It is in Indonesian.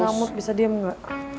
kamu bisa diam gak